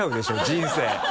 人生。